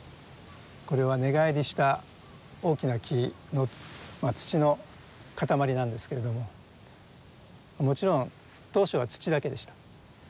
これは根返りした大きな木の土の塊なんですけれどももちろん当初は土だけでした。